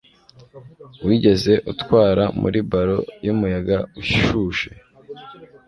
Wigeze utwara muri ballon yumuyaga ushushe?